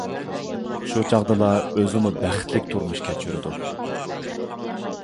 شۇ چاغدىلا ئۆزىمۇ بەختلىك تۇرمۇش كەچۈرىدۇ.